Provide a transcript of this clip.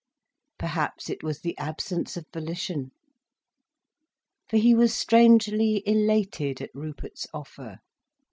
Perhaps it was the absence of volition. For he was strangely elated at Rupert's offer.